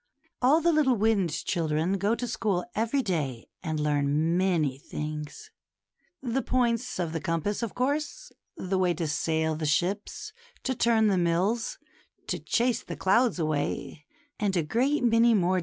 All the little wind children go to school every day and learn many things ; the points of the compass, of course, the way to sail the ships, to turn the mil ls, to chase the clouds away,, and a great many more LITTLE BOREAS.